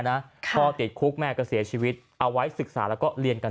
พ่อติดคุกแม่ก็เสียชีวิตเอาไว้ศึกษาแล้วก็เรียนกัน